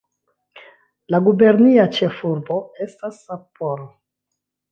La gubernia ĉefurbo estas Sapporo.